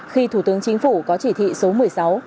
khi thủ tướng chính phủ có chỉ thị số một mươi sáu